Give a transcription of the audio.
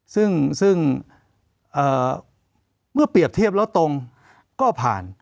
ซึ่งเมื่อเปรียบเทียบแล้วตรงก็ผ่าน